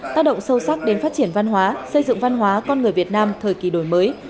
tác động sâu sắc đến phát triển văn hóa xây dựng văn hóa con người việt nam thời kỳ đổi mới